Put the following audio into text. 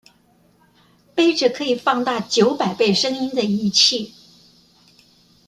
揹著可以放大九百倍聲音的儀器